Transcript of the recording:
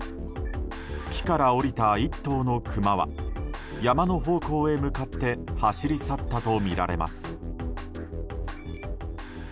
木から下りた１頭のクマは山の方向に向かって走り去ったとみられます。